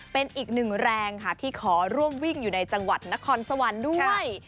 เป็นอีกหนึ่งแรงค่ะที่ขอร่วมวิ่งอยู่ในจังหวัดนครสวรรค์ด้วย